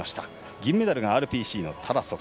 銀メダルがＲＰＣのタラソフ。